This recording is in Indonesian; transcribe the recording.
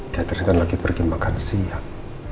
catherine kan lagi pergi makan siang